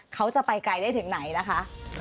เขาจะไปไกลได้ถึงไหนนะคะ